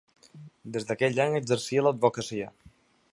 Des d’aquell any exercia l’advocacia.